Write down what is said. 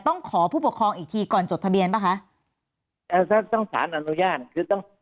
ต้องขอผู้ปกครองอีกทีก่อนจดทะเบียนป่ะคะเอ่อถ้าต้องสารอนุญาตคือต้อง